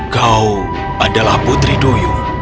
kau adalah putri duyu